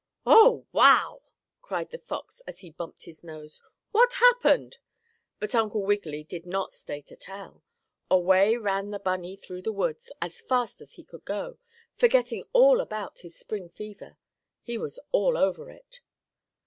"Oh, wow!" cried the fox, as he bumped his nose. "What happened?" But Uncle Wiggily did not stay to tell. Away ran the bunny through the woods, as fast as he could go, forgetting all about his Spring fever. He was all over it.